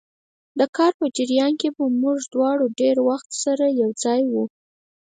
د کار په جریان کې به موږ دواړه ډېر وخت سره یو ځای وو.